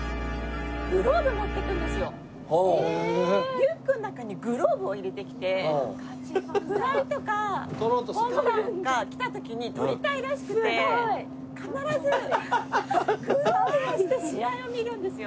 リュックの中にグローブを入れてきてフライとかホームランとか来た時に捕りたいらしくて必ずグローブをして試合を見るんですよ。